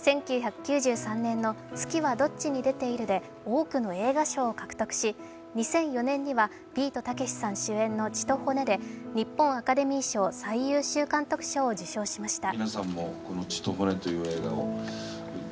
１９９３年の「月はどっちに出ている」で多くの映画賞を獲得し、２００４年には、ビートたけしさん主演の「血と骨」で日本アカデミー賞最優秀監督賞を受賞しました。